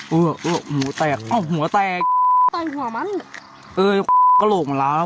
เออเอาคุลกะโหล่งมันล้ามแลุ้